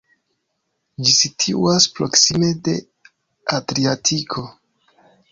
Ĝi situas proksime de Adriatiko.